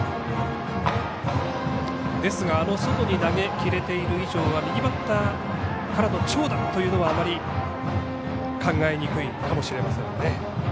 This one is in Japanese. ですが、外に投げ切れている以上は右バッターからの長打はあまり考えにくいかもしれません。